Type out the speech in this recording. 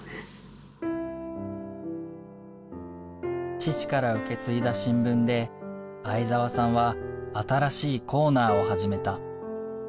父から受け継いだ新聞で相沢さんは新しいコーナーを始めた。